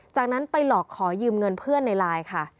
จากนั้นไปหลอกขอยืมเงินเพื่อนในไลน์ค่ะ